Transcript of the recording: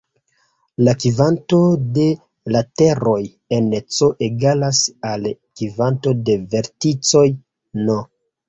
La kvanto de lateroj en "C" egalas al kvanto de verticoj "n".